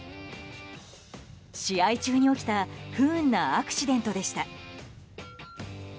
試合中に起きた不運なアクシデントでした。